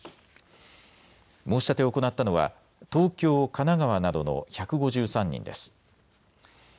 申し立てを行ったのは東京、神奈川などの１５３人です。